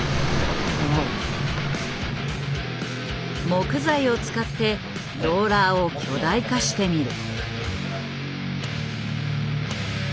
木材を使ってローラーを巨大化してみる。